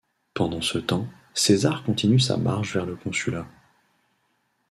Pendant ce temps, César continue sa marche vers le consulat.